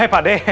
eh pak d